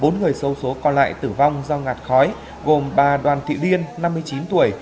bốn người sâu số còn lại tử vong do ngạt khói gồm bà đoàn thị liên năm mươi chín tuổi